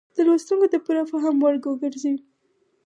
د لوستونکو د پوره فهم وړ وګرځي.